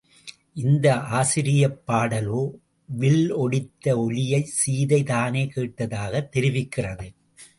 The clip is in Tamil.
இந்த ஆசிரியப் பாடலோ, வில் ஒடித்த ஒலியைச் சீதை தானே கேட்டதாகத் தெரிவிக்கிறது.